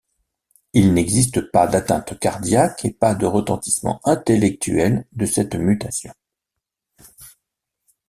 Il n'existe pas d'atteinte cardiaque et pas de retentissement intellectuel de cette mutation.